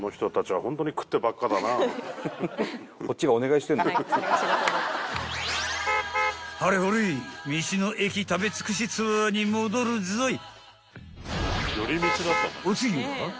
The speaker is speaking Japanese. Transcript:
［はれほれ道の駅食べ尽くしツアーに戻るぞい］